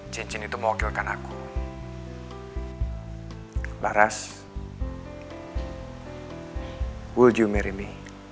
cincin itu mewakilkan aku baras wuju mirmi